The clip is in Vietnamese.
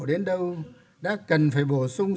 đến đâu đã cần phải bổ sung